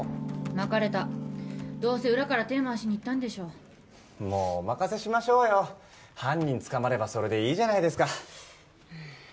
まかれたどうせ裏から手まわしに行ったんでしょもうお任せしましょうよ犯人捕まればそれでいいじゃないですかうん